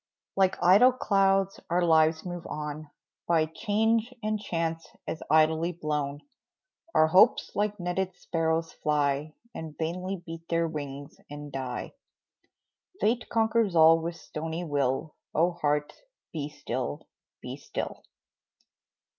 Like idle clouds our lives move on, By change and chance as idly blown; Our hopes like netted sparrows fly, And vainly beat their wings and die. Fate conquers all with stony will, Oh, heart, be still be still!